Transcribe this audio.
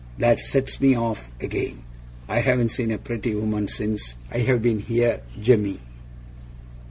That sets me off again! I haven't seen a pretty woman since I've been here, jemmy.